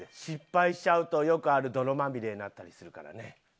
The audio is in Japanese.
失敗しちゃうとよくある泥まみれになったりするからね。